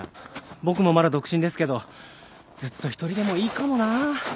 僕もまだ独身ですけどずっと一人でもいいかもなぁ。